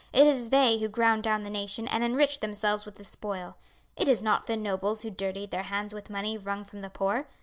It is they who ground down the nation and enriched themselves with the spoil. It is not the nobles who dirtied their hands with money wrung from the poor.